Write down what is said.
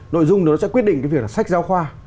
nội dung nó sẽ quyết định cái việc là sách giáo khoa